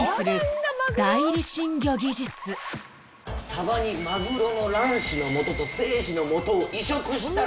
サバにマグロの卵子のもとと精子のもとを移植したら。